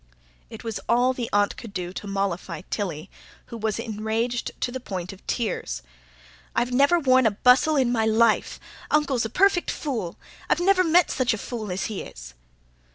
It was all the Aunt could do to mollify Tilly, who was enraged to the point of tears. "I've never worn a bustle in my life! Uncle's a perfect FOOL! I've never met such a fool as he is!"